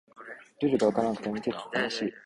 ルールがわからなくても見てて楽しい